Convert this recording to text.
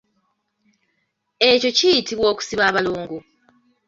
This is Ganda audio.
Ekyo kiyitibwa okusiba abolongo.